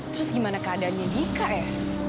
terus gimana keadaannya dika ya